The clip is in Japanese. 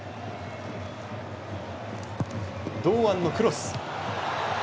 堂安のクロス。